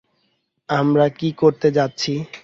আমরা কী করতে যাচ্ছি?